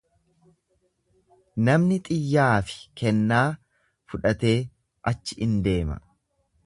Namni xiyyaa fi kennaa fudhatee achi in deema.